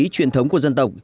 đạo lý truyền thống của dân tộc